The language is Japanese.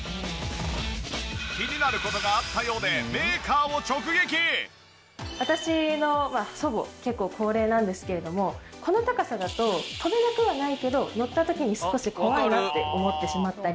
気になる事があったようで私の祖母結構高齢なんですけれどもこの高さだと跳べなくはないけど乗った時に少し怖いなって思ってしまったり。